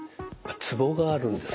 ツボがあるんですね。